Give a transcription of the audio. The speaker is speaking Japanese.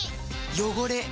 汚れ。